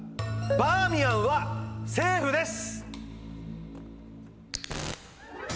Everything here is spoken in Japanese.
バーミヤンはセーフです！